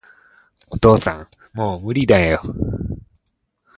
お父さん、もう無理だよ